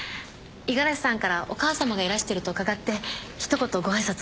五十嵐さんからお母さまがいらしてると伺って一言ご挨拶をと。